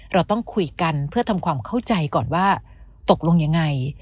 เราต้องคุยกันเพื่อทำความเข้าใจก่อนว่าตกลงยังไง